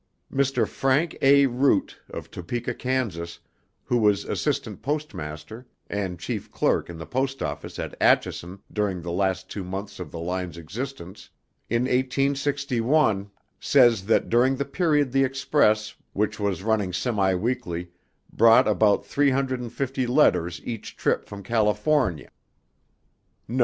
Mr. Frank A. Root of Topeka, Kansas, who was Assistant Postmaster and Chief Clerk in the post office at Atchison during the last two months of the line's existence, in 1861, says that during that period the Express, which was running semi weekly, brought about three hundred and fifty letters each trip from California.